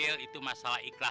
siapa bandung lo